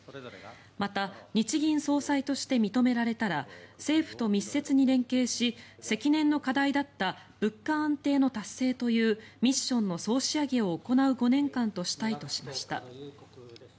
また、日銀総裁として認められたら政府と密接に連携し積年の課題だった物価安定の達成というミッションの総仕上げを行う５年間としたいとしました。